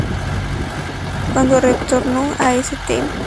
Cuando retornó a St.